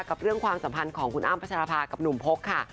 เรื่องความสัมพันธ์ของคุณอ้ำพัชรภากับหนุ่มพกค่ะ